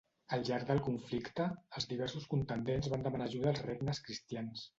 Al llarg del conflicte, els diversos contendents van demanar ajuda als regnes cristians.